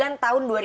sangat keras ya